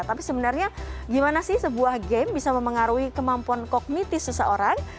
tapi sebenarnya gimana sih sebuah game bisa memengaruhi kemampuan kognitif seseorang